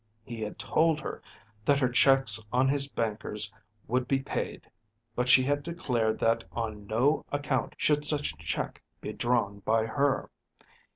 He had told her that her cheques on his bankers would be paid, but she had declared that on no account should such cheque be drawn by her.